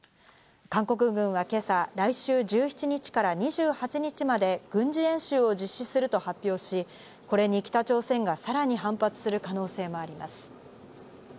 韓国軍は今朝、来週１７日から２８日まで軍事演習を実施すると発表し、これに北朝鮮がさらに反発する可能性もあります。